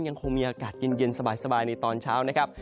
ยังคงมีอากาศเย็นสบายในตอนเช้านะครับ